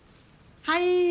はい。